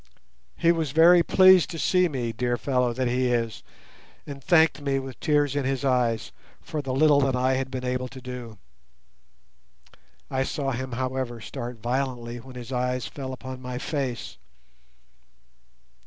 He was very pleased to see me, dear fellow that he is, and thanked me with tears in his eyes for the little that I had been able to do. I saw him, however, start violently when his eyes fell upon my face.